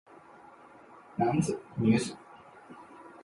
男子女子